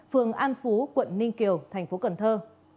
phường an phú quận ninh kiều thành phố cần thơ